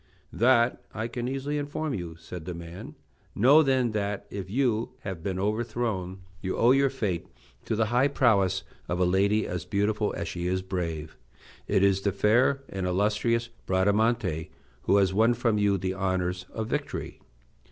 "That I can easily inform you," said the man; "know then that, if you have been overthrown, you owe your fate to the high prowess of a lady as beautiful as she is brave. It is the fair and illustrious Bradamante who has won from you the honors of victory."